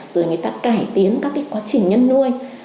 rồi người ta cải tiến các cái quá trình nhân nuôi